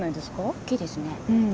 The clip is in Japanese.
大きいですね。